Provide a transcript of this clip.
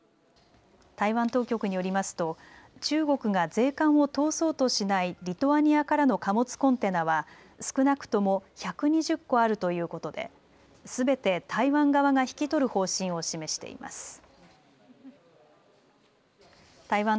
台湾当局によりますと中国が税関を通そうとしないリトアニアからの貨物コンテナは少なくとも１２０個あるということですべて台湾側が引き取る方針を示しています。